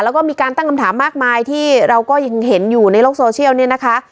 แล้วก็มีการตั้งคำถามมากมายที่เราก็ยังเห็นอยู่ในโลกโซเชียลเนี่ยนะคะ